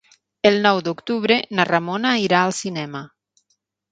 El nou d'octubre na Ramona irà al cinema.